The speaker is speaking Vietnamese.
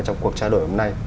trong cuộc trao đổi hôm nay